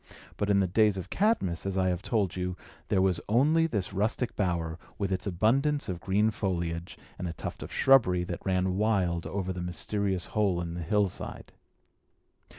But in the days of Cadmus, as I have told you, there was only this rustic bower, with its abundance of green foliage, and a tuft of shrubbery, that ran wild over the mysterious hole in the hillside.